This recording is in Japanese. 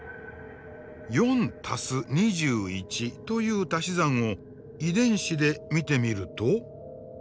４＋２１というたし算を遺伝子で見てみると。